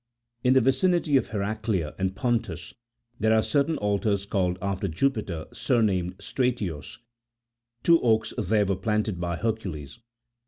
In the vicinity of Heraclea in Pontus, there are certain altars called after Jupiter surnamed Stratios ; two oaks there were planted by Hercules.